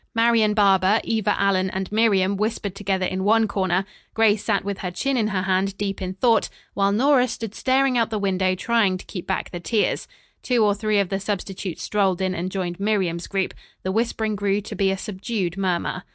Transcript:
Marian Barber, Eva Allen and Miriam whispered together in one corner. Grace sat with her chin in her hand, deep in thought, while Nora stood staring out the window trying to keep back the tears. Two or three of the substitutes strolled in and joined Miriam's group. The whispering grew to be a subdued murmur.